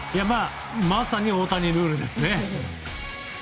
まさに大谷ルールですね。